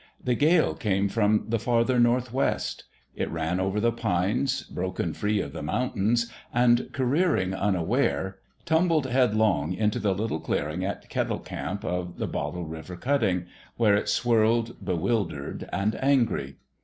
The gale came from the farther northwest. It ran over the pines, broken free of the mountains, and, careering unaware, tumbled headlong into the little clearing at Kettle camp of the Bottle River cutting, where it swirled be wildered and angry.